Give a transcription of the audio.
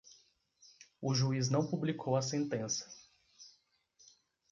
O juiz não publicou a sentença